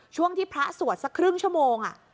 ช่วงที่พระสวดสักครึ่งชั่วโมง